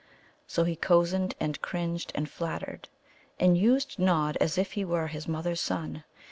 So he cozened and cringed and flattered, and used Nod as if he were his mother's son.